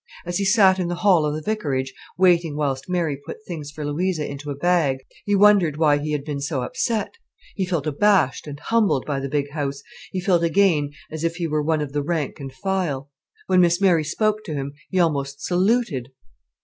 As he sat in the hall of the vicarage, waiting whilst Mary put things for Louisa into a bag, he wondered why he had been so upset. He felt abashed and humbled by the big house, he felt again as if he were one of the rank and file. When Miss Mary spoke to him, he almost saluted.